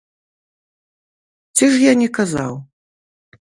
Ці ж я не казаў?!